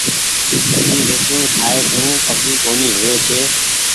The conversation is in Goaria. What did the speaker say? اي زيتونٚ کآئي سون ڪبزي ڪونيٚ هووي ڇي۔